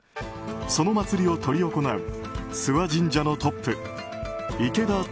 その祭りを執り行う諏訪神社のトップ池田